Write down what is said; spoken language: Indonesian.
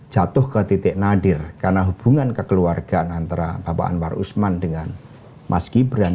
jatuh ke titik nadir karena hubungan kekeluargaan antara bapak anwar usman dengan mas gibran